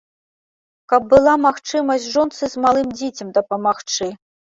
Каб была магчымасць жонцы з малым дзіцем дапамагчы.